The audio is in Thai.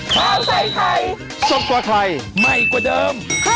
โปรดติดตามตอนต่อไป